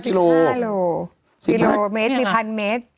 ๑๕กิโลเมตร๑๕กิโลเมตร